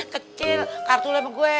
kecil kartu lo emang gue